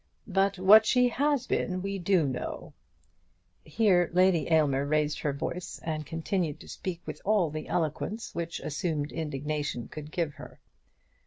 But what she has been we do know." Here Lady Aylmer raised her voice and continued to speak with all the eloquence which assumed indignation could give her.